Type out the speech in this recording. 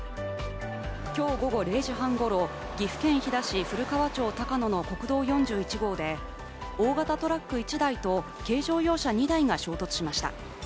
今日午後０時半ごろ岐阜県飛騨市古川町高野の国道４１号で大型トラック１台と軽乗用車２台が衝突しました。